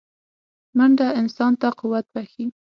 منډه انسان ته قوت بښي